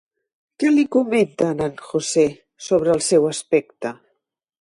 Què li comenta a en José sobre el seu aspecte?